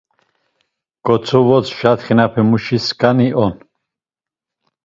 Ǩotzvaşatxenpemuşi skan on.